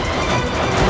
aku akan menangkapmu